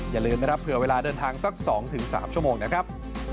อย่าลืมนะครับเผื่อเวลาเดินทางสัก๒๓ชั่วโมงนะครับ